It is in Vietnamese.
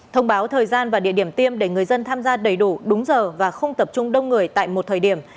thông báo thời gian và địa điểm tiêm để người dân tham gia đầy đủ đúng giờ và không tập trung đông người tại một thời điểm